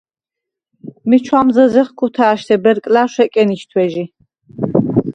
მი ჩუ̂ამზჷზეხ ქუთა̄̈შთე ბერკლა̈რშუ̂ ეკენითუ̂ეჟი.